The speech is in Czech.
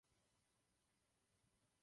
Střelci stříleli z okrajů menších jam.